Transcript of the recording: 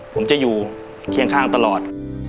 ผมจะอยู่เคียงข้างตลอด